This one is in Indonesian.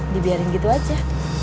dibiarin gitu aja